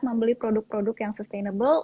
membeli produk produk yang sustainable